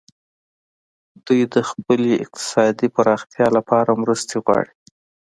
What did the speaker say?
دوی د خپلې اقتصادي پراختیا لپاره مرستې غواړي